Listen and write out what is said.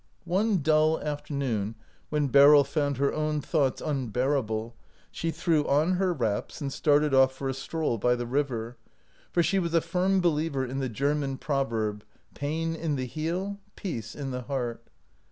One dull afternoon when Beryl found her own thoughts unbearable, she threw on her wraps and started off for a stroll by the river, 9i OUT OF BOHEMIA for she was a firm believer in the German proverb, " Pain in the heel, peace in the heart."